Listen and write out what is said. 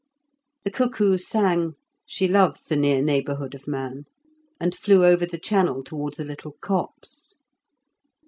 The cuckoo sang (she loves the near neighbourhood of man) and flew over the channel towards a little copse.